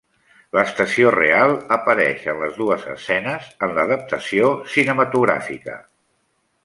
L'estació real apareix en les dues escenes en l'adaptació cinematogràfica.